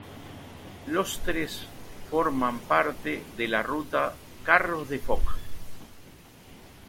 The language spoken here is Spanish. Los tres forman parte de la ruta Carros de Foc.